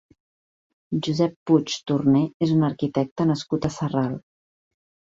Josep Puig Torné és un arquitecte nascut a Sarral.